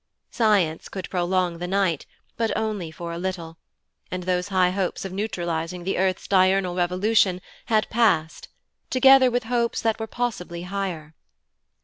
Science could prolong the night, but only for a little, and those high hopes of neutralizing the earth's diurnal revolution had passed, together with hopes that were possibly higher.